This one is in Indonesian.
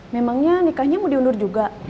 memangnya nikahnya mau diundur juga